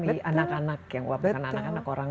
di anak anak yang orang orang